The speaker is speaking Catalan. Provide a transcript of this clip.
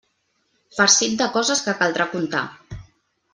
Farcit de coses que caldrà contar.